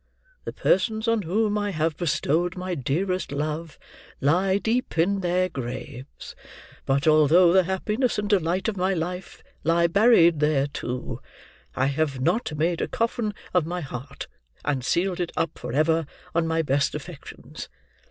The persons on whom I have bestowed my dearest love, lie deep in their graves; but, although the happiness and delight of my life lie buried there too, I have not made a coffin of my heart, and sealed it up, forever, on my best affections.